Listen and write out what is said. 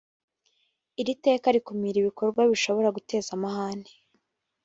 iriteka rikumira ibikorwa bishobora guteza amahane